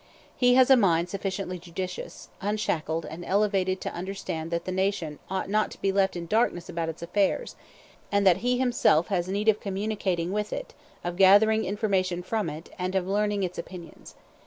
He has a mind sufficiently judicious, unshackled, and elevated to understand that the nation ought not to be left in darkness about its affairs, and that he himself has need of communicating with it, of gathering information from it, and of learning its opinions.